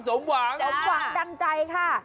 สมหวังดั่งใจค่ะ